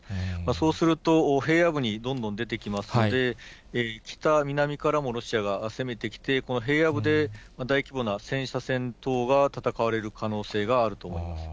そうすると、平野部にどんどん出てきますので、北、南からもロシアが攻めてきて、この平野部で大規模な戦車戦等が戦われる可能性があると思います。